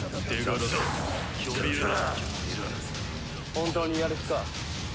本当にやる気か？